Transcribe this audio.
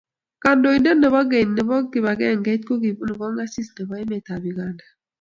Kandoindet nebo keny nebo kibagengeit kokibunu kong'asis nebo emetab Uganda.